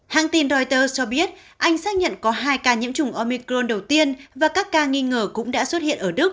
hãng tin reuters cho biết anh xác nhận có hai ca nhiễm chủng omicron đầu tiên và các ca nghi ngờ cũng đã xuất hiện ở đức